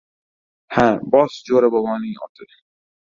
— Ha, bos, Jo‘ra boboning oti!